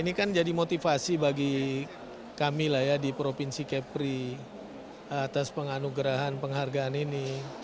ini kan jadi motivasi bagi kami lah ya di provinsi kepri atas penganugerahan penghargaan ini